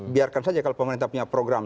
biarkan saja kalau pemerintah punya program